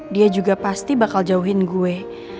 dia juga pasti bakal jauhin gue